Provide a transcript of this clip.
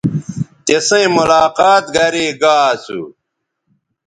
تِسئیں ملاقات گرے گا اسو